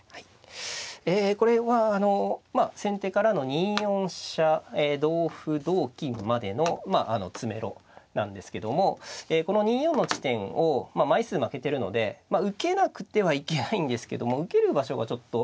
えこれは先手からの２四飛車同歩同金までの詰めろなんですけどもこの２四の地点をまあ枚数負けてるので受けなくてはいけないんですけども受ける場所がちょっと。